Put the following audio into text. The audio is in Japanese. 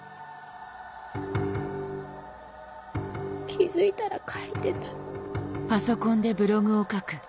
気付いたら書いてた。